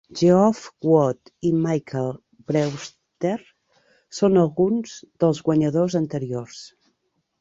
Geoff Wood i Michael Brewster són alguns dels guanyadors anteriors.